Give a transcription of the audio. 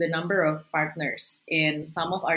jumlah pasangan di beberapa